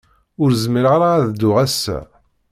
Ur zmireɣ ara ad dduɣ ass-a.